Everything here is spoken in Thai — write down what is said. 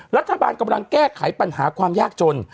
รัฐบาลกำลังแก้ไขปัญหาความยากจน